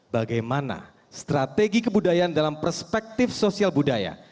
bagaimana strategi kebudayaan dalam perspektif sosial budaya